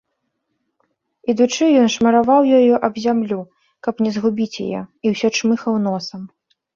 Ідучы, ён шмараваў ёю аб зямлю, каб не згубіць яе, і ўсё чмыхаў носам.